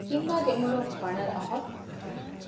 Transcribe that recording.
އިމްނާގެ އުމުރުން ފަނަރަ އަހަރު